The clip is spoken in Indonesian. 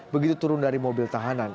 begitu turun dari mobil tahanan